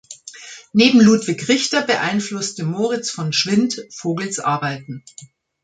Neben Ludwig Richter beeinflusste Moritz von Schwind Vogels Arbeiten.